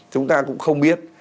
chúng ta cũng không biết